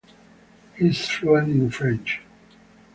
He is fluent in French.